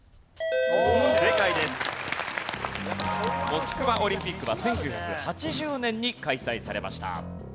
モスクワオリンピックは１９８０年に開催されました。